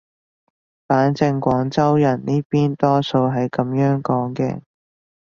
反正廣州人呢邊多數係噉樣講嘅